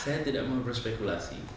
saya tidak mau berspekulasi